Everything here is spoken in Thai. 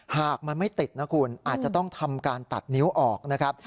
หากมันไม่ติดนะคุณอาจจะต้องทำการตัดนิ้วออกนะครับ